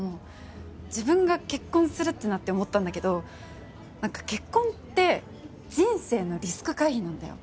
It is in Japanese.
自分が結婚するってなって思ったんだけど何か結婚って人生のリスク回避なんだよ。